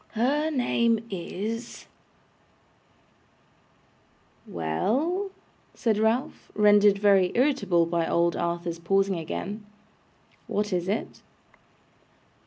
Her name is ' 'Well,' said Ralph, rendered very irritable by old Arthur's pausing again 'what is it?